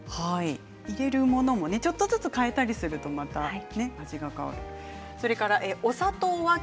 入れるものをちょっとずつ変えたりするとまた味が変わると。